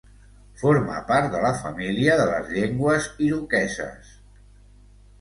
Forma part de la família de les llengües iroqueses.